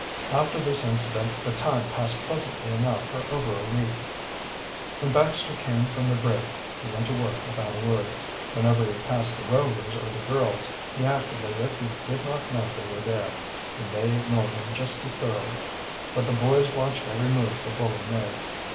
After this incident the time passed pleasantly enough for over a week. When Baxter came from the brig he went to work without a word. Whenever he passed the Rovers or the girls he acted as if he did not know they were there, and they ignored him just as thoroughly. But the boys watched every move the bully made.